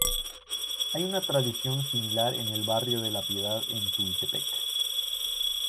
Hay una tradición similar en el barrio de la Piedad en Tultepec.